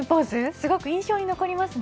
すごく印象に残りますね。